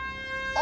あ！